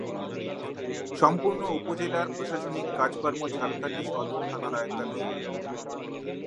সম্পূর্ণ উপজেলার প্রশাসনিক কার্যক্রম ঝালকাঠি সদর থানার আওতাধীন।